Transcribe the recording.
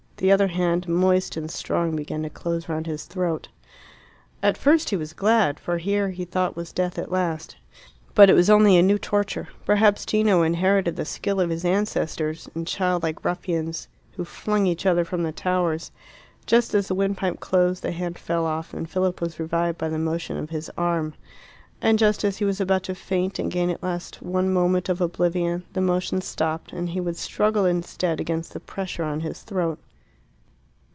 The other hand, moist and strong, began to close round his throat. At first he was glad, for here, he thought, was death at last. But it was only a new torture; perhaps Gino inherited the skill of his ancestors and childlike ruffians who flung each other from the towers. Just as the windpipe closed, the hand fell off, and Philip was revived by the motion of his arm. And just as he was about to faint and gain at last one moment of oblivion, the motion stopped, and he would struggle instead against the pressure on his throat.